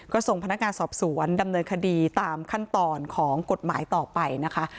ก็ส่งพนักงานสอบสวนดำเนินคดีตามขั้นตอนของกฎหมายต่อไปนะคะ